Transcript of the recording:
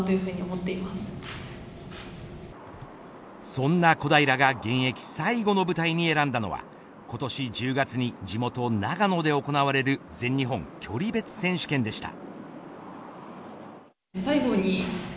そんな小平が現役最後の舞台に選んだのは今年１０月に地元長野で行われる全日本距離別選手権でした。